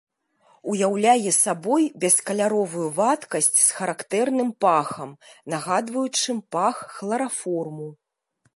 Уяўляе сабой бескаляровую вадкасць з характэрным пахам, нагадваючым пах хлараформу.